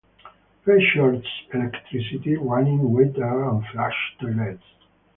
Features electricity, running water, and flush toilets.